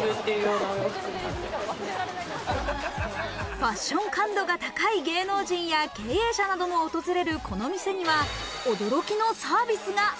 ファッション感度が高い芸能人や、経営者なども訪れる、このお店には驚きのサービスが。